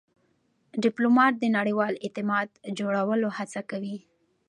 ډيپلومات د نړیوال اعتماد جوړولو هڅه کوي.